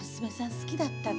好きだったが？